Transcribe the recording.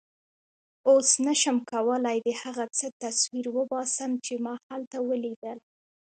اوس نه شم کولای د هغه څه تصویر وباسم چې ما هلته ولیدل.